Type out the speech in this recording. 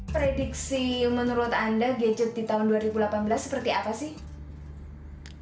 prediksi menurut anda gadget di tahun dua ribu delapan belas seperti apa sih